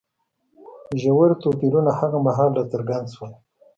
ژور توپیرونه هغه مهال راڅرګند شول